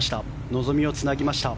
望みをつなぎました